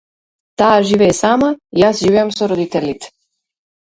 Таа живее сама, јас живеам со родителите.